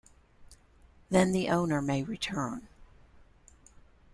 Then the owner may return.